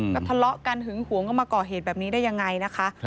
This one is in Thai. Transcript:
ก็ทะเลาะกันหึงหวงก็มาก่อเหตุแบบนี้ได้ยังไงนะคะ